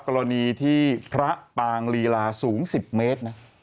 กรณีที่พระปางลีลาสูง๑๐เมตรนะ